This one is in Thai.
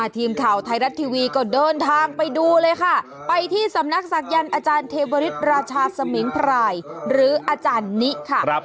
ทีมข่าวไทยรัฐทีวีก็เดินทางไปดูเลยค่ะไปที่สำนักศักยันต์อาจารย์เทวริสราชาสมิงพรายหรืออาจารย์นิค่ะ